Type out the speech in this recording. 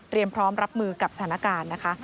พร้อมรับมือกับสถานการณ์นะคะ